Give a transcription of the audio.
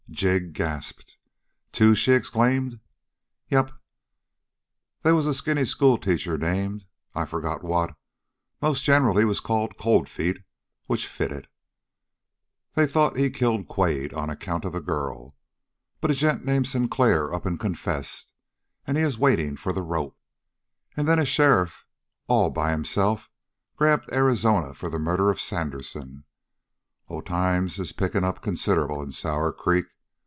Jig gasped. "Two!" she exclaimed. "Yep. They was a skinny schoolteacher named I forget what. Most general he was called Cold Feet, which fitted. They thought he killed Quade account of a girl. But a gent named Sinclair up and confessed, and he is waiting for the rope. And then a sheriff all by himself grabbed Arizona for the murder of Sandersen. Oh, times is picking up considerable in Sour Creek.